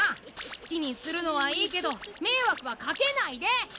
すきにするのはいいけどめいわくはかけないで！